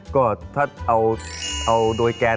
โทรหาพี่เอ้ยให้หน่อย